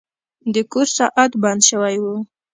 د کور ساعت بند شوی و.